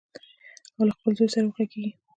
او له خپل زوی سره وغږیږي.